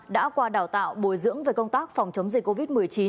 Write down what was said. đã qua đào tạo bồi dưỡng về công tác phòng chống dịch covid một mươi chín